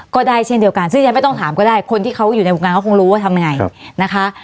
ก็ได้เช่นเดียวกันซึ่งยังไม่ต้องถามก็ได้คนที่เขาอยู่ในวงการเขาคงรู้ว่าทำยังไงนะคะ